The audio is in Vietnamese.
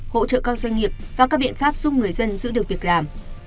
hỗ trợ các doanh nghiệp và các biện pháp giúp người dân giữ được việc làm